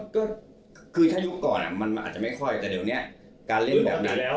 ก็คือถ้ายุคก่อนมันอาจจะไม่ค่อยแต่เดี๋ยวนี้การเล่นแบบนั้นแล้ว